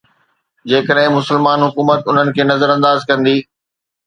جيڪڏهن مسلمان حڪومت انهن کي نظرانداز ڪندي.